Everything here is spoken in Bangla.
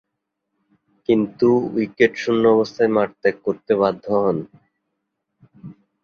কিন্তু, উইকেট শূন্য অবস্থায় মাঠ ত্যাগ করতে বাধ্য হন।